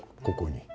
ここに。